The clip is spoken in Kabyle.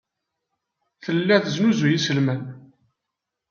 Tella tesnuzuy iselman.